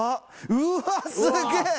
うわあすげえ！